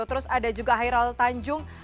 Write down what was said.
terus ada juga hairal tanjung